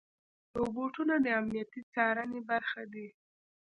روبوټونه د امنیتي څارنې برخه دي.